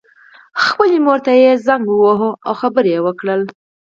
خپلې مور ته یې زنګ وواهه او خبرې یې وکړې